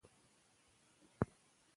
زده کوونکي د خپلې ژبې کارونې ته اړتیا لري.